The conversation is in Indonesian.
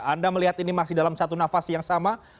anda melihat ini masih dalam satu nafas yang sama